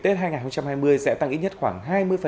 tết hai nghìn hai mươi sẽ tăng ít nhất khoảng hai mươi